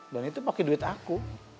dan itu pake duit aku